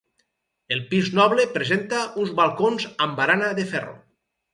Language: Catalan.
El pis noble presenta uns balcons amb barana de ferro.